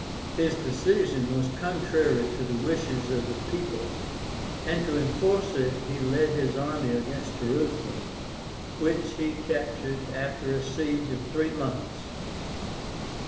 His decision was contrary to the wishes of the people, and to enforce it he led his army against Jerusalem, which he captured after a siege of three months.